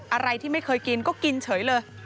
อะไรที่ไม่เคยกินก็กินเฉยเลย